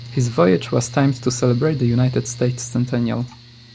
His voyage was timed to celebrate the United States centennial.